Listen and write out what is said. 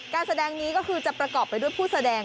การแสดงนี้ก็คือจะประกอบไปด้วยผู้แสดง